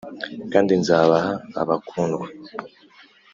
kandi nzabaha abakundwa.